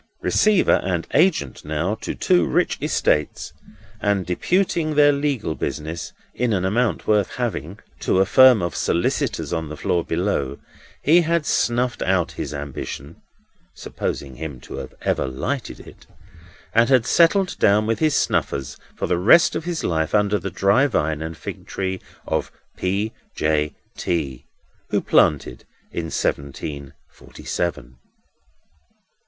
Receiver and Agent now, to two rich estates, and deputing their legal business, in an amount worth having, to a firm of solicitors on the floor below, he had snuffed out his ambition (supposing him to have ever lighted it), and had settled down with his snuffers for the rest of his life under the dry vine and fig tree of P. J. T., who planted in seventeen forty seven.